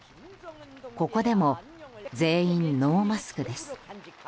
ここでも全員、ノーマスクです。